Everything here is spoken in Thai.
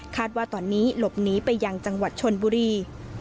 ว่าตอนนี้หลบหนีไปยังจังหวัดชนบุรี